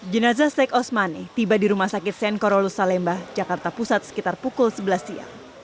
jenazah stek osmani tiba di rumah sakit sen korolus salemba jakarta pusat sekitar pukul sebelas siang